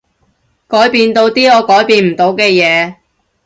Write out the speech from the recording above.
改變到啲我改變唔到嘅嘢